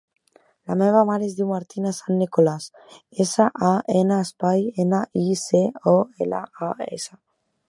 La meva mare es diu Martina San Nicolas: essa, a, ena, espai, ena, i, ce, o, ela, a, essa.